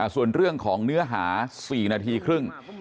ส่วนเรื่องของเนื้อหา๔นาทีครึ่ง